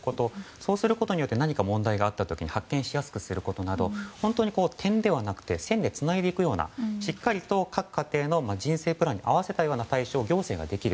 そうすることによって何か問題があった時に発見しやすくすることなど本当に点ではなくて線でつないでいくようなしっかりと各家庭の人生プランに合わせたことが行政ができる。